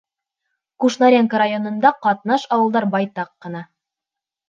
Кушнаренко районында ҡатнаш ауылдар байтаҡ ҡына.